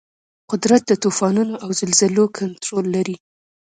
قدرت د طوفانونو او زلزلو کنټرول لري.